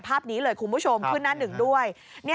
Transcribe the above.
ภาพนี้เลยคุณผู้ชมขึ้นหน้าหนึ่งด้วย